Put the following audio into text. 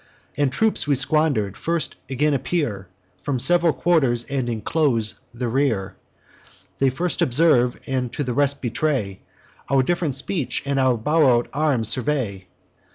The troops we squander'd first again appear From several quarters, and enclose the rear. They first observe, and to the rest betray, Our diff'rent speech; our borrow'd arms survey.